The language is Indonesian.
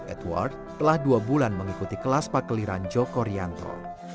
edward telah dua bulan mengikuti kelas pakliran joe corianto